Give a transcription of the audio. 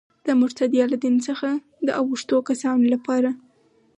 د مرتد یا له دین څخه د اوښتو کسانو لپاره.